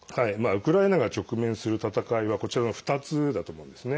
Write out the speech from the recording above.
ウクライナが直面する戦いはこちらの２つだと思うんですね。